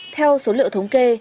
theo số liệu thống kê